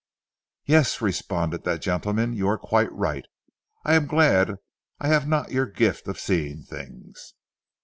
"Yes," responded that gentleman, "you are quite right. I am glad I have not your gift of seeing things."